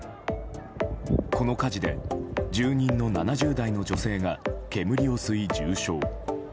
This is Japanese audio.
この火事で住人の７０代の女性が煙を吸い重症。